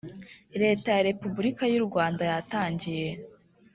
leta ya Repubulika y u Rwanda yatangiye